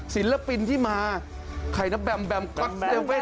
ศิลปินที่มาใครนะแบมแบมก๊อธเซเว่น